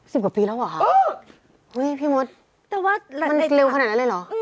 สิบกว่าปีแล้วเหรอคะพี่มดมันเร็วขนาดนั้นเลยเหรอ